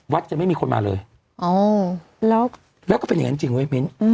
วัดจะไม่มีคนมาเลยโอแล้วแล้วก็เป็นอย่างงั้นจริงด้วย